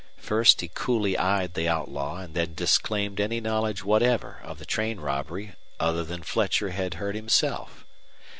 First he coolly eyed the outlaw and then disclaimed any knowledge whatever of the train robbery other than Fletcher had heard himself.